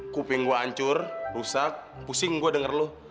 kuping gue hancur rusak pusing gue denger lu